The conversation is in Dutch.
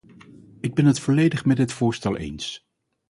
Ik ben het volledig met dit voorstel eens.